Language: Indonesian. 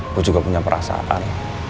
gue juga punya perasaan